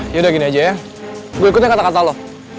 yaudah gini aja ya gue ikutin kata kata lo